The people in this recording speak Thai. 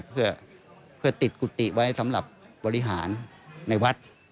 เพื่อติดกุฏิไว้สำหรับบริหารในวัด